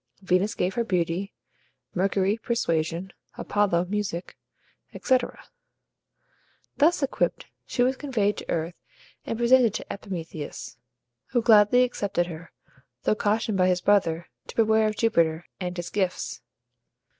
Venus gave her beauty, Mercury persuasion, Apollo music, etc. Thus equipped, she was conveyed to earth, and presented to Epimetheus, who gladly accepted her, though cautioned by his brother to beware of Jupiter and his gifts.